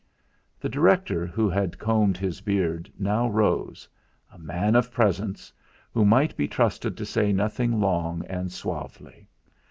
The director who had combed his beard now rose a man of presence, who might be trusted to say nothing long and suavely.